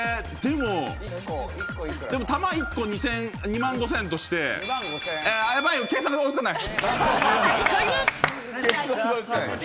でも玉１個２万５０００円として、やばい計算が追いつかない！